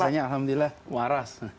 biasanya alhamdulillah waras